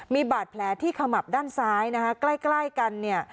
มีบาดแผลที่ขมับด้านซ้ายนะคะใกล้ใกล้กันเนี่ย